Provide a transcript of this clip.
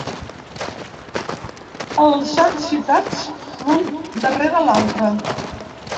Els han citats l’un darrere l’altre.